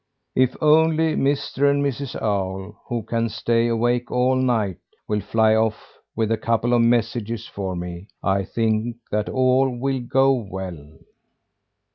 If only Mr. and Mrs. Owl, who can stay awake all night, will fly off with a couple of messages for me, I think that all will go well."